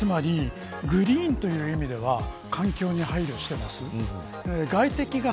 つまり、グリーンという意味では環境に配慮しています。